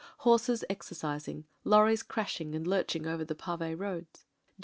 Horses exercising, lorries crashing and lurching over the pave roads.